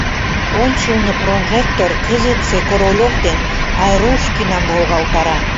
Ончылно прожектор кызытсе Королёв ден Айрушкинам волгалтара.